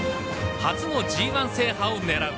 初のＧＩ制覇をねらう。